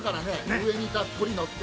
上にたっぷり乗って。